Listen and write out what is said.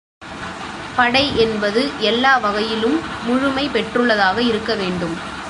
படை என்பது எல்லா வகையிலும் முழுமை பெற்றுள்ளதாக இருக்கவேண்டும்.